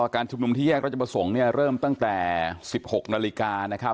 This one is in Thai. การชุมนุมที่แยกราชประสงค์เริ่มตั้งแต่๑๖นาฬิกานะครับ